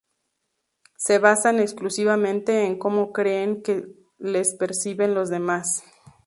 Se basan exclusivamente en cómo creen que les perciben los demás.